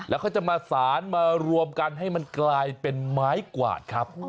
แล้วเขาจะมาสารมารวมกันให้มันกลายเป็นไม้กวาดครับ